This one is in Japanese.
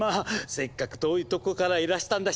せっかく遠いとこからいらしたんだし。